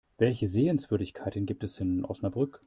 Welche Sehenswürdigkeiten gibt es in Osnabrück?